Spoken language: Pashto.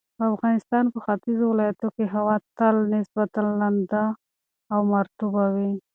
د افغانستان په ختیځو ولایتونو کې هوا تل نسبتاً لنده او مرطوبه وي.